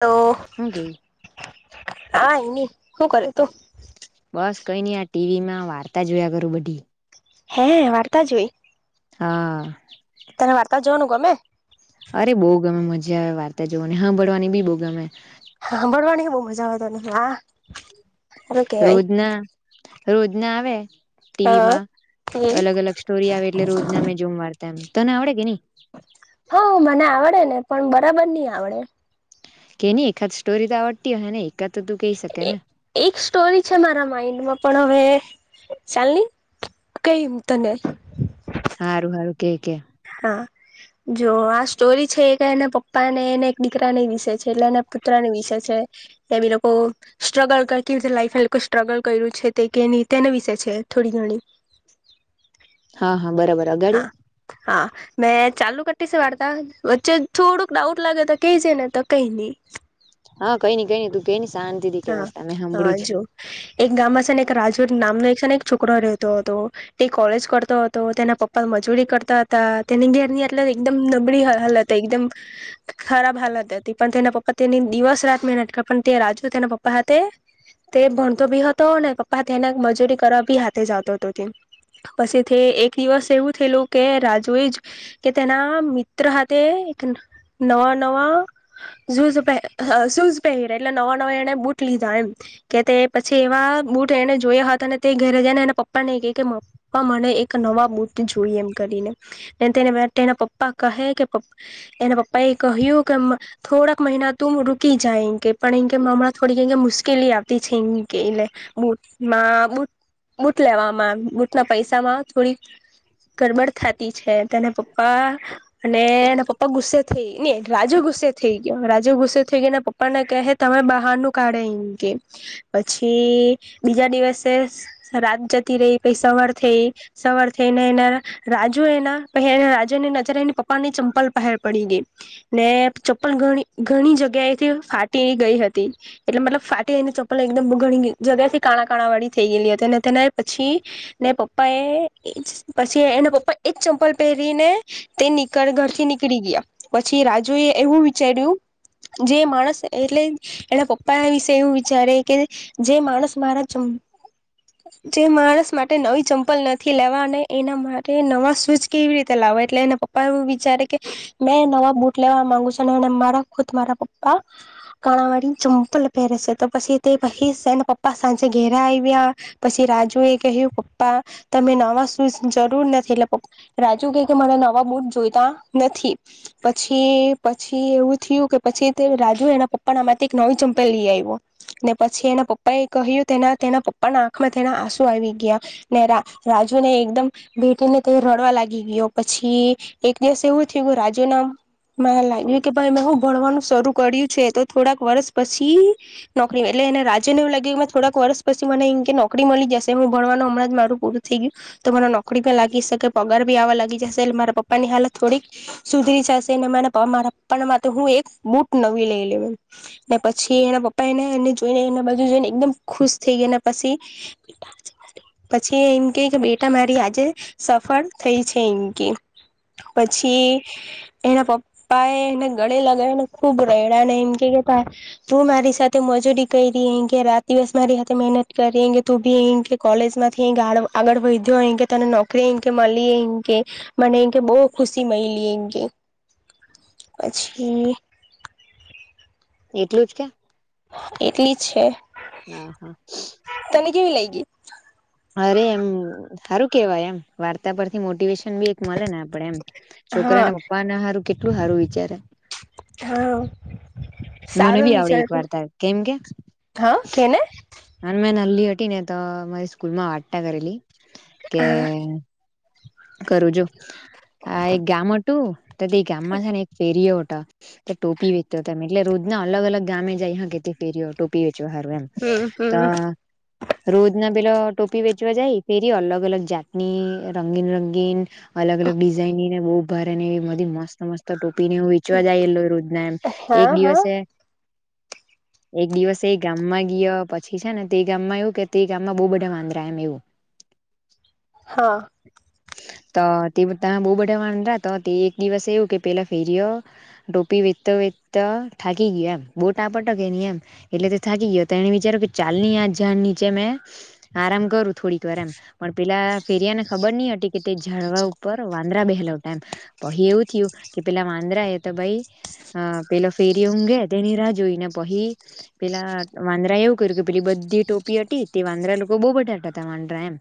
તો હું કેય હા એની, શું કર્યું તું બસ કઈ નઈ, આ ટીવી માં વાર્તા જોયા કરું બધી હે, વાર્તા જોઈ હા. તને વાર્તા જોનું, ગમે અરે બહુ ગમે મજા, આવે વાર્તા જોવાની હા ભળવાની બી બહુ ગમે હા, બરવાની બહ મજા આવતો નહ, હા શું રોજના, રોજના આવે કેવાય ટીવીમા હ અલગ, અલગ સ્ટોરી આવે એટલે રોજ, ના મેં જોમ વારતા એમ તને આવડે કે ને હ, મને આવડે ને પણ બરાબર નહી, આવડે કે ન એકાદ સ્ટોરી તો આવડતી હોય, હ ને એકાદ, તું કહી શકે ને એક સ્ટોરી છે, મારા માઈન્ડમાં પણ હવે, ચાલ ની કઈમ, તને હારું, હારું કે કે હા જો આ સ્ટોરી છે, કે એના પપ્પા ને એને એક દીકરાની વિશે છે, એટલે એના પુત્રની વિશે છે કેમી લોકો સ્ટ્રગલ કેવીતે લાઈફમાં લોકો સ્ટ્રગલ કર્યું છે, તે કે નહી, તેના વિશે છે- થોડીઓણી હા હા બરાબર હા, અગાડી હા મે ચાલુ કર વાતા વચ્ચે થોડુંક ડાઉટ લાગે, તો કઈ છે ને તો કઈ નહી હા, કઈ નઈ, કઈ ન તું કઈ સા હા, હા જોુ એક ગામ છે, ને રાજુ નામનો એક એક છોકરો રહેતો હતો, તે કોલેજ કરતો હતો, તેના પપ્પા મજૂરી કરતા હતા તેની ઘેરની આટલે એકદમ નબળી હાલત, એકદમ ખરાબ હાલત હતી, પણ તેના પપ્પા તેની દિવસ રાત મેં નટક પણ, તે રાજુ તેના પપ્પા સાથે તે ભણતો બી હતો ને પપ્પા તેને મજૂરી કરવા બી હાથે જ આવતો તો તે પછી તે એક દિવસ એવું થયેલું કે રાજુ એ જ કે તેના મિત્ર હાથે એક નવા નવા ઝુઝુજ પહે અ સુઝ પેહલે એટલે નવા એને બુટ લીધા એમ કે તે પછી એવા બુટ એને જોયા હતા અને તે ઘરે જઈને એના પપ્પા ને કે કે પપ્પા મને એક નવા બુટ જોઈ એમ કરીનેને તેના પપ્પા કહે એના પપ્પા એ કહ્યું કે થોડાક મહિના તું રૂકી જાય કે એમ કે પણ કે હમણાં થોડી ક મુશ્કેલી આવતી છે એ કે એટલે બ બ [inaudible] બૂટ લેવામાં બૂટના પૈસામાં થોડીક ગડબડ થતી છે તેના પપ્પા અને એના પપ્પા ગુસ્સે થઈ ને રાજુ ગુ ગુસ્સે થઈ ગયો રાજુ ગુસ્સે થઈ ગયાને પપા ને કહે તમે બહાનું કાઢે એમ કે પછી બીજા દિવસે રાત થી પછી સવાર થઈ સવાર થઈને એના રાજુ એના પ રાજા ની નજરેની પપ્પા ની ચંપલ બહાર પડી ગઈ ને ચપ્પલ ઘણી ઘણી જગ્યાએથી ફાટી ગઈ હતી એટલે મતલબ ફાટીઈને ચપલ એકદમ ઘણી જગ્યા થી કાણા કાણા વાળી થઈ ગયેલી હતી અને તેને પછી ને પપ્પા એ પછી એના પપ્પા ઈજ ચંપલ પહેરીને તે નીકળ ઘરથી નીકળી ગયા પછી રાજુ એ એવું વિચાર્યું જે માણસ એટલે એના પપ્પા વિશે એવું વિચારે કે જે માણસ મારા ચંપલ જે માણસ માટે નવી ચંપલ નથી લેવા અને એના માટે નવા સુજ કેવી રીતે લાવવા એટલે એ પપ્પા એવું વિચારે કે મે નવા બુટ લેવા માંગુ છું મારા ખુદ મારા પપ્પા કાણાવાડી ચુંંપલ પહેરે છે તો પછી તે પહીને પપ્પા સાંજે ઘેરે આવ્યા પછી રા રાજુ એ કહ્યું પપ્પા તમે નવા શૂઝ જરૂર નથી એટલે્પ રાજુ કહ કે મારા નવા બ [inaudible] જોઈતા નથી પછી પછી એવું થયું કે પછી તે રાજુ એના પ આમાંથી એક નવી ચમપેલ લઈ આવ્યો ને પછી એના પપ્પા એ કહ્યું તેના તેના પપ્પાના આંખમાં તેના આસુ આવી ગયા ને રા રાજુને એકદમ ભેટીને તે રડવા લાગી ગયો પછી એક દિવસે એવું થયું રાજજીનામ લાગ્યું કે ભાઈ મેં હું ભણવાનું શરૂ કર્યું છે તો થોડાક વર્ષ પછી નોકરી એટલે એને રાજ્યને એવું લાગ્યું થોડાક વર્ષ પછી મને કે નોકરી મળી જશે હું ભણવાનું હમણાં જ મારું પૂરું થઈ ગયું તો મને નોકરી પણ લાગી શકે પગાર ભી આવા લાગી જશે મારા પપ્પાની હાલત થોડીક સુધરી જશે મારા પપ્પા માટે હું એક બુટ નવી લઈ લે ને પછી એના પપ્પા એને એને જોઈને એના બાજુ જોઈને એકદમ ખુશ થઈ ગઈ ને પછી પછી એમ કે કે બેટા મારી આજે સફળ થઈ છે એમ કે પછી એના પપ્પા એ એને ગળે લગાવીને ખુબ રેડા ને એ તું મારી સાથે મજૂરી કરી રે રાત દિવસ મારી સાથે મહેનત કરી તુ ભી કોલેજમાંથી આગળ વધ્યો તને નોકરી કે મળી કે મને [inaudible] બહુ ખુશી મેયલી એમ કે પછી એટલું કેમ એટલી છે હા હા. તને કેવી લઈ ગઈ અરે એમ સારું કેવાય એમ વાર્તા પરથી મોટિવેશન બી એક મળે ને આપડે એમ છોકરા હા અને પપ્પાને સારું કેટલું સારું વિચારે હા મને સારો બી આવડીે વિચાર એક વાર્તા કેમ કે હા કેને મેલ્લી ને તો મારી સ્કૂલ માં વાતતા કરેલી કે હા કરું જો આ એ ગામ ઓ ટું તત એ ગામમાં છેને એક ફેરરીયો ઓઠ ટોપી વેચ તો એટલે રોજ ના અલગ અલગ ગામે જાય હ કે ફેર્યો ટોપી વ હારું એમ હમ તો હમ રોજ ના પેલા ટોપી વેચવા જાય તેેરી અલગ અલગ જાતની રંગીન રંગીન અલગ અલગ ડિઝાઇનની ને બહુ ભારે ને એ બધી મસ્ત મસ્ત ટો પીને હું વેચવા જાય એલો રોજ ના એમ એક હા હા દિવસે [inaudible] એક દિવસ એ ગામમાં ગયો પછી છે ને તે ગામમાં એવું કે તે ગામમાં બહુ બધા વાંદરા એમ એવું હ [inaudible] તો તે તાં બહુ બધા વાંદરા તો તે એક દિવસ એવું કે પેલો ફેરિયો ટોપી વેચતો વેચ તો થાકી ગીયો એમ બો તાપ હતો કે ની એમ એટલે તે થાકી ગીયો કે તો એણે વિચાઇરુ કે ચાલની આ ઝાડની નીચે મે આરામ કરું થોડીક વાર એમ પણ પેલા ફેરિયા ને ખબર ની હતી કે તે ઝાળવા ઉપ ઉપર વાંદરા બેહેલા હુતા એમ પહી એવુ થિયું કે પેલા વાંદરાએ તો ભાઈ અ પેલો ફેરિયો ઊંઘે તેની રાહ જોઈને પહી પેલા વાંદરાએ એવું કર્યું કે પેલી બધી ટોપ ટોપી હતી તે વાંદરા લોકો બોહ બધા હતા તાં વાંદરા એમ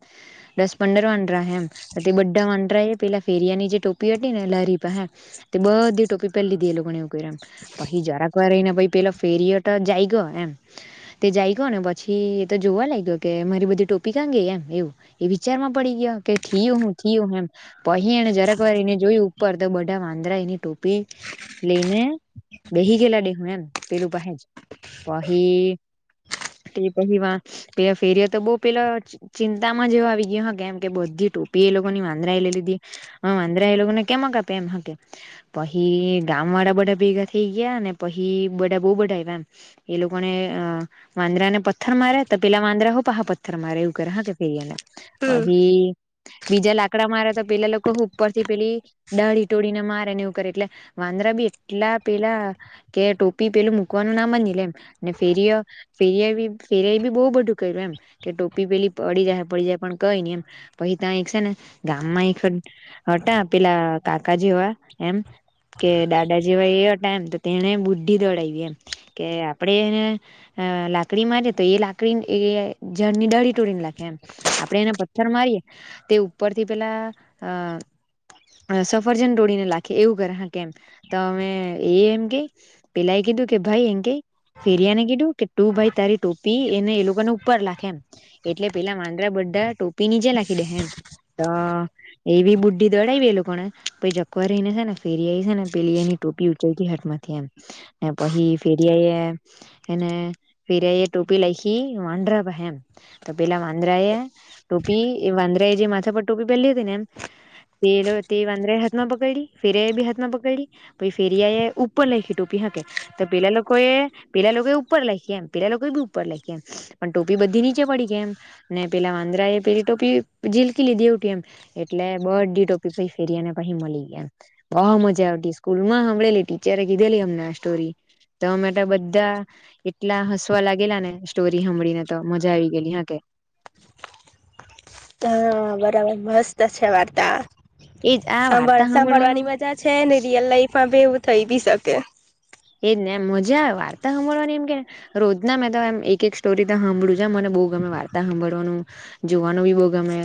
દસ પંદર વાંદરા હોય એમ બધા વાંદરા કુતરાએ પેલા ફેરિયાની જે ટોપી હતી ને લારી પાહે તે બધી ટોપી પેરી લીધી એ લોકોને એવું કર્યુ એમ. પહી જરાક વાર રહીને ભઈ પેલો ફેરિયો તો જાઈગો એમ તે જાઈગોને પછી તો જોવા લાઈગો કે મારી બધી ટોપી કાં ગઈ એમ એવું એ વિચારમાં પડી ગીયો કે થિયું હું થિયું હું એમ. પહી એને જરાક વાર રઈને જોય ઉપર તો બધા વાંદરા એની ટોપી લઈને બેહી ગેલા દેહું એમ પેલું પાહેજ પહી તે પહી વાં તે ફેરિયો તો બો પેલો ચિંતામાં જેવો આવી ગયો હ કે એમ કે બધી ટોપી એ લોકોની વાંદરાએ લઈ લીધી હ વાંદરાએ લોકોને કેમ ક આપે એમ હ કે પહી ગામવાડા બધા ભેગા થઈ ગિયા ને પહી બદા બોહ બદા આવ્યા એમ એ લોકોને અ વાંદરાને પથ્થર મારે તો પેલા વાંદરા હો પહા પથ્થર મારે એવુ કરે હા કે ફેરિયાને હમ પહી બીજા લાકડા મારે તો પેલા લોકો ઉપર થી પેલી દાળી ટોળી ને મારે ને એવું કરે એટલે વાંદરા બી એટલા એટલા પેલા કે ટોપી પેલું મૂકવાનું નામ ની લે એમ ને ફેરીઓ ફેરિયાએ બી ફેરિયાએ બી બહુ બધું કર્યું એમ કે ટોપી પેલી પડી જાય પડી જાય પણ કઈને એમ પછી ત્યાં એક છે ને ગામમાં એક હત હતા પેલા કાકા જેવા એમ કે દાદા જેવા જેવા એ હતા એમ તો તેણે બુદ્ધિ દોડાઈવી એમ કે આપણે એને અ લાકડી માં તો એ લાકડીને એ ઝાળની ડાળી ટોળીને લખે એમ આપડે એને પથ્થર મારીએ તે ઉપર ઉપરથી પેલા અ સફરજન તોડીને લાખે એવું કરે હે કે કેમ તો મે એ એમ કે પેલાએ કીધું કે ભાઈ એમ કેઈ ફેરિયાને કીધું કે તું ભાઈ તારી ટોપી એને એ લોકોને ઉપર લાખ એમ એટલે પેલા વાંદરા બધા બધા ટોપી નીચે લાખી દેહે એમ. તો એવી બુદ્ધિ દોડાઈવી એ લોકોને પહી જરાખ વાર રહીને છેને ફેરિયાએ છેને પેલી એની ટોપી ઉંચએકી હાથમાંથી એમ પહી ફેરિયા એ એને ફેરિયાએ ટોપી લાઈખી વાંદરા પાંહે એમ તો પેલા વાંદરાએ ટોપી એ વાંદરાએ જે માથા પર ટોપી પહેરલી હતી ને એમ તે તે વાંદરાએ હાથમાં પકએડી ફેરિયાએ બી હાથમાં પકએડી પહી ફેરીયા એ ઉપર લાઈખી ટોપી હકે તો પેલા લોકો એ પેલા લોકો ઉપર લાઈખી એમ પેલા એ લોકોએ બી ઉપર લાઈખી પણ ટોપી બધી નીચે પડી ગઈ એમ ને પેલા વાંદરાએ પેલી ટોપી જીલ ઊંચકી લીધી એવુ એમ એટલે બઘી ટોપી પેલા ફેરિયા પહી પાછી મળી ગઈ એમ બોહ મજા આવતી. સ્કૂલમાં હાંભળેલી ટીચરે કીધેલી અમને આ સ્ટોરી તો અમે બધા એટલા હસવા લાગેલા ને સ્ટોરી હાં ભળી ને તો મજા આવી ગયેલી હ કે. હા બરાબર મસ્ત છે વાર્તા. એજ આ સાંભળ વાર્તા હાંભળવાનો સાંભળવાની મજા છે. ને રિયલ લાઈફમાં ભી એવું થઈ બી શકે. એજ ને એમ મજા આવે વાર્તા હાભળવાની એમ કેને રોજ ના મેં તોમ એક-એક સ્ટોરી હાભળું જ મને બોહ ગમે વાર્તા હાંભળવાનું જોવાનું બી બોહ ગમે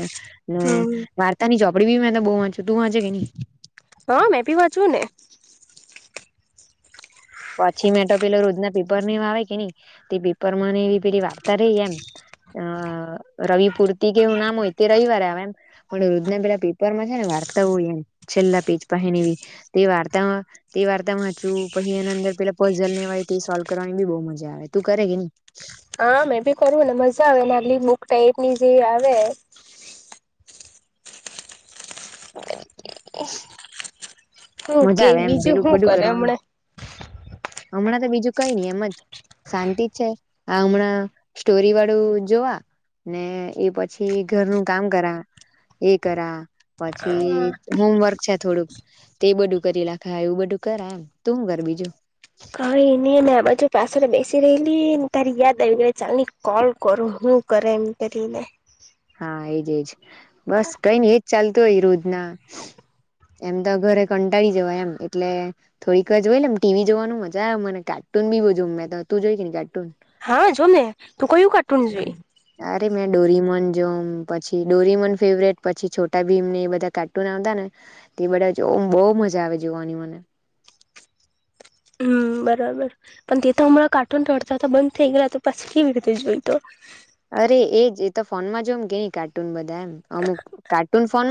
ને હમ વાર્તાની ચોપડી બી મે બોહ વાંચું તું વાંચે ક ની. હા મેં બી વાંચું ને પછી મેં તો પેલો રોજના પેપર ને એવા આવે કે ની તે પેપરમાં ને એવી પેલી વાર્તા રેહ એમ અ રવિ પૂરતી કેવું નામ હોય તે રવિવારે આવે એમ પણ રોજના પેલા પેપરમાં છે ને વાર્તા હોય એમ છેલ્લા પેજ પાંહે ને એવી વાર્તામાં તે વાર્તા વાંચું પહી પછી એના અંદર પેલા પઝલ ને એવા હોય તે સોલ કરવાની બી બોહ મજા આવે તું કરે કે ની હા મેં ભી કરુ ને મજા આવે નાલી બુક ટાઈપની જે આવે [inaudible] હું મજા કે આવે એમ બીજું પેલું હું બધું કરે કરવાનું હમણે. હમણાં તો બીજું કઈ નહી એમ જ શાંતિ છે આ હમણાં સ્ટોરી વાળું જોવા. ને એ પછી ઘરનું કામ કર્યા. એ કરા હા પછી હોમવર્ક છે થોડુંક. તે એ બધું કરી નાખે એવું બધું કરાય એમ તું શું કર બીજું. કઈ નઈ ને આ બાજુ પાછળ બેસી રલી ને તારી યાદ આવી ગ ચાલ ને કોલ કરો શું કરે એમ કરી ને. હા એજ એજ બસ કઈ ન એજ ચાલતું હોય રોજ ના. એમ તો ઘરે કંટાળી જવાય એમ એટલે થોડીક વાર જોય એમ ટીવી જોવાનું મજા આવે મને કા પાટ બી બજું તો તું જો જઈ કેને ચટન [inaudible] હા જો ને તું કયું કાટવ જોઈ. અરે મે ડોરીમન જોમ પછી ડોરીમન ફેવરેટ પછી છોટા ભીને બધા્ટ બા બહ મજા આવે જોવાની મને. હમ [unintelligible] બરાબર પણ તે તો હમણાં કાર્ટૂન રડતા હતા બંધ થઈ ગયા તો પછી કેવી રીતે જોઈ તો. અરે એ એ તો ફોનમાં જો એમ કે ન કાર્ટૂન બધા એમ અમુક કાર્ટૂન ફોન.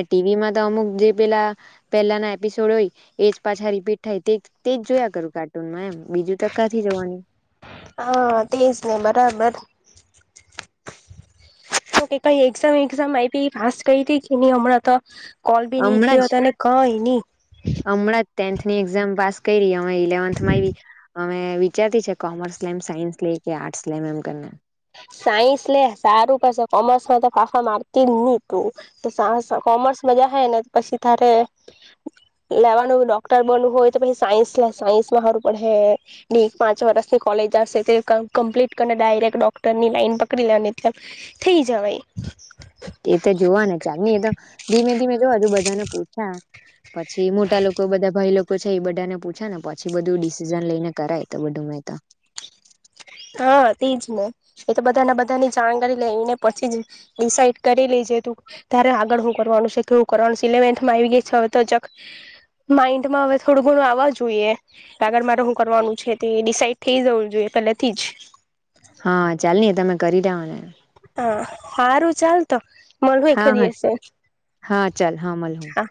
ટીવીમાં તો અમુક જે પેલા પહેલાના એપિસોડ હોય એ પાછા રપીટ. ાય તે તે જ જોયા કરું કાર્ટુનમાં એમ. બીજું તો ક્યાંથી જવાનું હા તેજ ને બરાબર. [inaudible] તો કે કઈ એક્ઝામ એક્ઝામ આઈી પા કરી હતીી કે ન હમણાં તો. કોલ બી ની હમણાં થયો જ તને કઈ ની હમણાં જ ટેન્થની એક્ઝામ પાસ. કઈ ર અ ઇલેવન્થમાં આવી. અમે વિચારતી છે કોમર્સ લેમ સાયન્સ લે કે આર્ટસ લેમ એમ કરીનેમ. સાઈન્સ લ સારું પાછ [unintelligible] કોમર્સમાં તો ફાફા મારતી જ નહ તું સા કોમર્સમાં જ હ ને પછી તારે. હ [unintelligible] લેવાનું ડોક્ટર બનવું હોય તો પછી સાયન્સ લે સાયન્સમાં સારું પડે પાંચ વર્ષની. કોલેજશે કમપ્લીટ ડાયરેક્ટ ડો. ની લાઈન પકડી લે ત્યા થઈ જવા એ. એ તો જોવા ચાલ હી એ તો ધીમે ધીમે જોવાજુ બધાને પૂછા. પછી મોટા લોકો બધા ભાઈ લોકો. છે એ બધા ને પૂછે ને પછી બધું ડિસિઝન લઈને કરાય તો બધું મેં તો. હા તેજ ને એ તો બધાને બધાની જાણકારી લઈને પછી જ ડિસઇડ કરી લે. ત ત્યારે આગળ હું કરવાનું છે કે હું કરવાનું ઇલેવન્થમાં આવી ગય છે હવે તો ચક. માઇન્ડ માં હવે થોડું ઘણું આવવા જોઈએ. આગળ મારે હું કરવાનું છે તે ડિસાઈડ થઈ જવું જોઈએ પેલે થી જ. હા ચાલ ને તમે કરી દ્યાને. હ સારું ચાલતો. મ હા હા હખદીીશે હા ચાલ હા મલ હું હા